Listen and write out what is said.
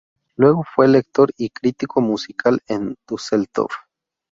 Luego fue lector y crítico musical en Düsseldorf.